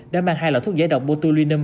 đã mang hai loại thuốc giải độc botulinum